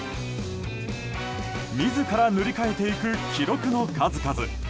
自ら塗り替えていく記録の数々。